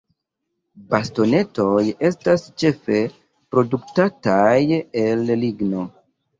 Bastonetoj estas ĉefe produktataj el ligno.